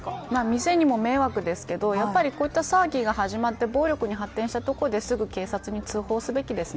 お店にも迷惑ですがこういった騒ぎが始まって暴力に発展したところですぐに警察に通報するべきです。